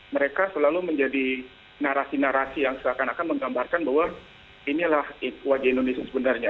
mereka selalu menjadi narasi narasi yang seakan akan menggambarkan bahwa inilah wajah indonesia sebenarnya